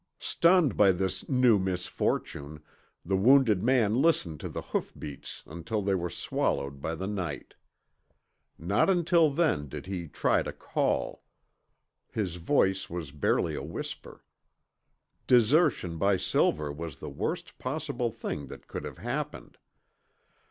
Stunned by this new misfortune, the wounded man listened to the hoofbeats until they were swallowed by the night. Not until then did he try to call. His voice was barely a whisper. Desertion by Silver was the worst possible thing that could have happened.